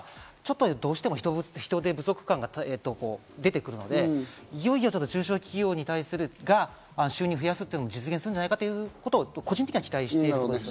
どうしても人手不足感が出てくるので、いよいよ中小企業に対する収入を増やすというのも実現するんじゃないかということを個人的には期待しています。